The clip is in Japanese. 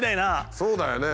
そうだよね。